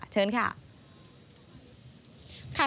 เชิญค่ะ